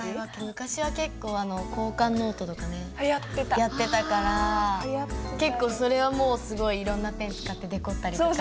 昔は結構交換ノートとかねやってたから結構それはもうすごいいろんなペン使ってデコったりとか。